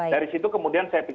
dari situ kemudian saya pikir